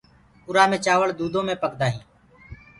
اُرآ مي چآوݪ دُوٚدو مي پڪآندآ هينٚ۔